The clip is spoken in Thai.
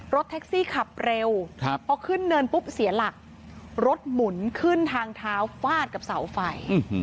รถแท็กซี่ขับเร็วพอขึ้นเนินปุ๊บเสียหลักรถหมุนขึ้นทางเท้าฟาดกับเสาไฟ